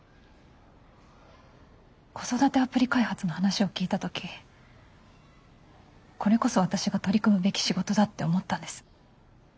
子育てアプリ開発の話を聞いた時これこそ私が取り組むべき仕事だって思ったんです。